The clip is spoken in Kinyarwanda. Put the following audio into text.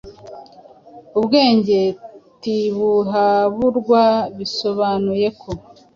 Obwengye Tibuhaburwa”, bisobanuye ko “